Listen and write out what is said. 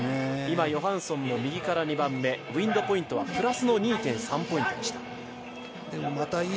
今ヨハンソンも右から２番目、ウインドポイントは、プラス２．３ポイントでした。